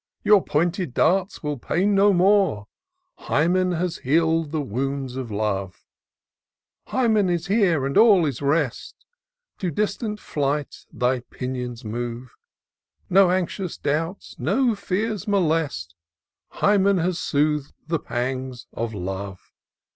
Your pointed darts will pain no more ; Hymen has heal'd the wounds of Love. 120 TOUR OF DOCTOR SYNTAX Hymen is here, and all is rest; To distant flight thy pinions move ; No anxious doubts, no fears molest ; Hymen has sooth'd the pangs of Love.